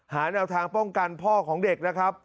แนวทางป้องกันพ่อของเด็กนะครับ